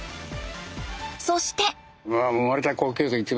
そして。